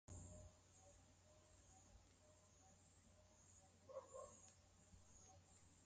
mbuga za wanyama nyingi zipo nchini tanzania